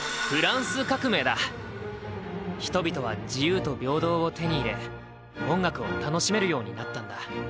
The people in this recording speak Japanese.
人々は自由と平等を手に入れ音楽を楽しめるようになったんだ。